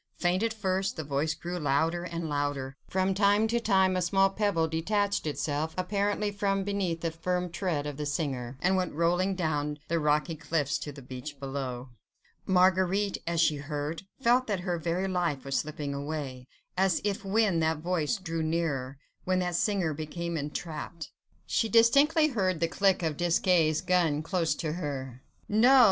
Faint at first, the voice grew louder and louder; from time to time a small pebble detached itself apparently from beneath the firm tread of the singer, and went rolling down the rocky cliffs to the beach below. Marguerite as she heard, felt that her very life was slipping away, as if when that voice drew nearer, when that singer became entrapped ... She distinctly heard the click of Desgas' gun close to her. ... No! no! no!